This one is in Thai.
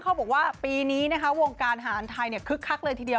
เขาบอกว่าปีนี้นะคะวงการอาหารไทยคึกคักเลยทีเดียว